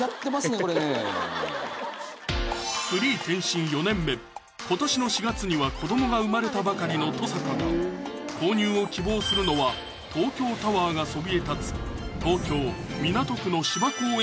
これね今年の４月には子どもが生まれたばかりの登坂が購入を希望するのは東京タワーがそびえ立つ東京・港区の芝公園